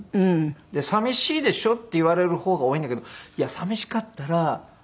寂しいでしょって言われる方が多いんだけどいや寂しかったら。